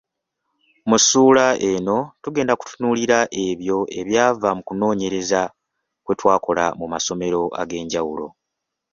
Mu ssuula eno tugenda kutunuulira ebyo ebyava mu kunoonyereza kwe twakola mu masomero ag'enjawulo.